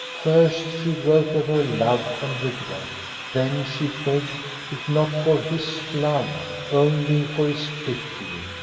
First she wrote of her love and regret. Then she begged, if not for his love, only for his pity.